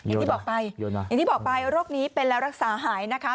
อย่างที่บอกไปโรคนี้เป็นแล้วรักษาหายนะคะ